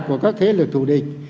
của các thế lực thủ địch